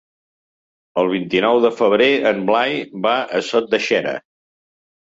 El vint-i-nou de febrer en Blai va a Sot de Xera.